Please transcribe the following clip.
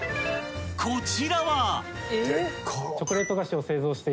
［こちらは］